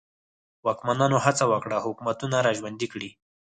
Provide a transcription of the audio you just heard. واکمنانو هڅه وکړه حکومتونه را ژوندي کړي.